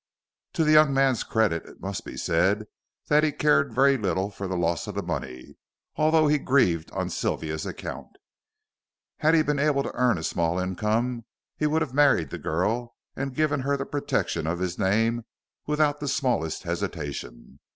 To the young man's credit it must be said that he cared very little for the loss of the money, although he grieved on Sylvia's account. Had he been able to earn a small income, he would have married the girl and given her the protection of his name without the smallest hesitation.